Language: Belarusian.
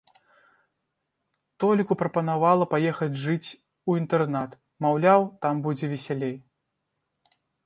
Толіку прапанавала паехаць жыць у інтэрнат, маўляў, там будзе весялей.